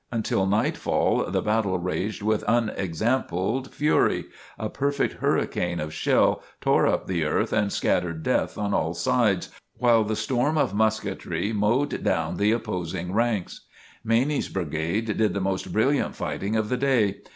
Until nightfall the battle raged with unexampled fury, a perfect hurricane of shell tore up the earth and scattered death on all sides, while the storm of musketry mowed down the opposing ranks. Maney's Brigade did the most brilliant fighting of the day.